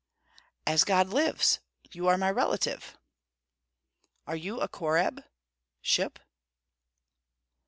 "As God lives! you are my relative." "Are you a Korab (ship)?"